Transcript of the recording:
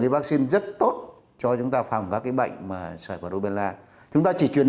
vaccine rất tốt cho chúng ta phòng các bệnh sởi lobella tcript chúng ta chỉ chuyển